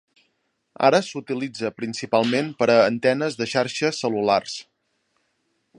Ara s'utilitza principalment per a antenes de xarxes cel·lulars.